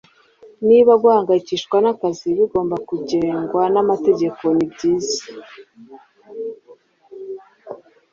niba guhangayikishwa n'akazi bigomba kugengwa n'amategeko nibyiza